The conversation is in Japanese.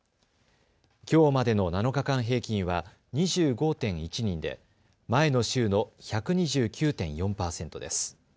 きょうまでの７日間平均は２５．１人で前の週の１２９．４％です。